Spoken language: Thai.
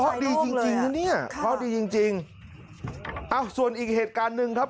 ร้องดีจริงจริงนะเนี่ยครับร้องดีจริงจริงอ้าวส่วนอีกเหตุการณ์นึงครับ